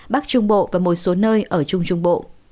bắc trung bộ và một số nơi ở trung trung bộ